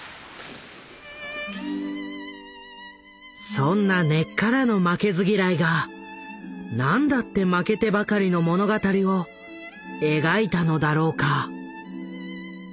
そんな根っからの負けず嫌いがなんだって負けてばかりの物語を描いたのだろうか？